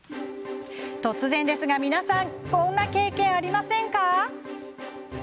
突然ですが皆さんこんな経験ありませんか？